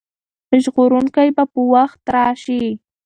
ژغورونکی به په وخت راشي.